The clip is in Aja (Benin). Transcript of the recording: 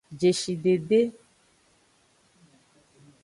Jeshidede.